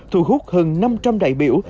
thu hút hơn năm trăm linh đại biểu